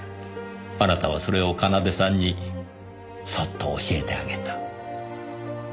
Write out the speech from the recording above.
あなたはそれを奏さんにそっと教えてあげた。